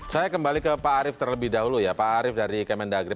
saya kembali ke pak arief terlebih dahulu ya pak arief dari kementerian dalam negeri